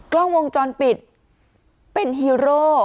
กล้องวงจรปิดเป็นฮีโร่